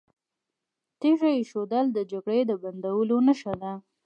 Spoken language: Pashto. تیږه ایښودل د جګړې د بندولو نښه ده.